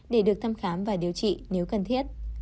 để được thăm khám và điều trị nếu cần thiết